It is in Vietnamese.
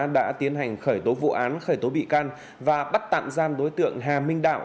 đã tiến hành khởi tố vụ án khởi tố bị can và bắt tạm giam đối tượng hà minh đạo